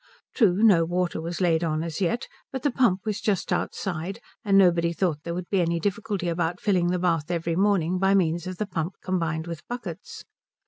True no water was laid on as yet, but the pump was just outside, and nobody thought there would be any difficulty about filling the bath every morning by means of the pump combined with buckets.